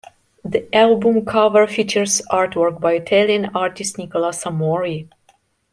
The album cover features artwork by Italian artist Nicola Samori.